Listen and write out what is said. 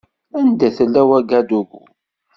Anda tella Wagadugu?